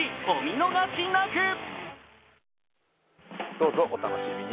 どうぞお楽しみに！